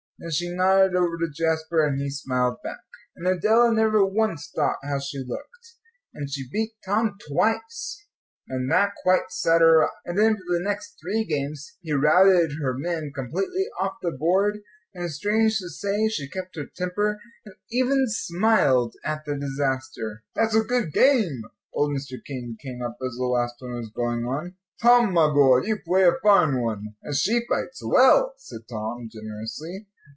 Then she nodded over to Jasper, and he smiled back. And Adela never once thought how she looked. And she beat Tom twice, and that quite set her up. And then for the next three games he routed her men completely off the board. And, strange to say, she kept her temper, and even smiled at the disaster. "That's a good game." Old Mr. King came up as the last one was going on. "Tom, my boy, you play a fine one." "And she fights well," said Tom, generously.